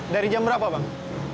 dari jam berapa bang